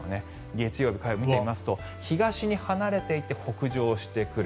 月曜日、火曜日見てみますと東に離れていって北上してくる。